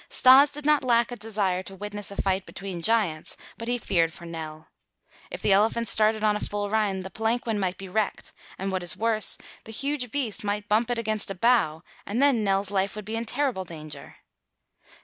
Stas did not lack a desire to witness a fight between giants, but he feared for Nell. If the elephant started on a full run, the palanquin might be wrecked, and what is worse, the huge beast might bump it against a bough, and then Nell's life would be in terrible danger.